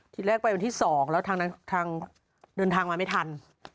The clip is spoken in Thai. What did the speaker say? ทีแรกไปวันที่๒แล้วทางเดินทางมาไม่ทัน